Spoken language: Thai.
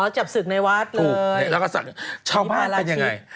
อ๋อจับศึกในวัดเลยแล้วก็สั่งชาวบ้านเป็นยังไง